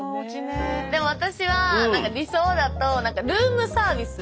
私は理想だとルームサービス？